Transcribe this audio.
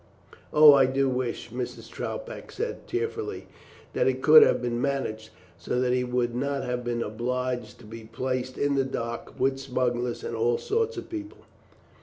"Oh, I do wish," Mrs. Troutbeck said tearfully, "that it could have been managed so that he would not have been obliged to be placed in the dock with smugglers and all sorts of people."